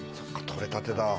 取れたてだ。